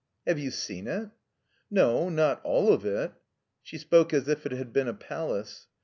Have you seen it?" No. Not all of it. '' She spoke as if it had been a palace.